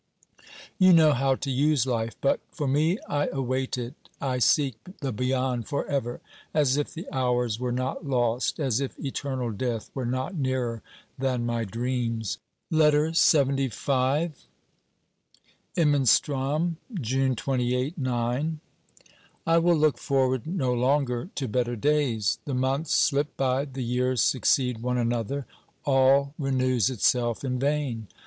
You know how to use life, but, for me, I await it. I seek the beyond for ever, as if the hours were not lost, as if eternal death were not nearer than my dreams. LETTER LXXV Imenstr6m, June 28 (IX). I will look forward no longer to better days. The months slip by, the years succeed one another, all renews itself in vain.